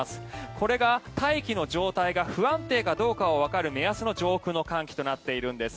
これが大気の状態が不安定かどうかがわかる目安の上空の寒気となっているんです。